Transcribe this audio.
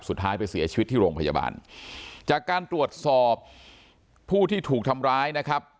สุดท้ายไปเสียชีวิตที่โรงพยาบาลจากการตรวจสอบผู้ที่ถูกทำร้ายนะครับ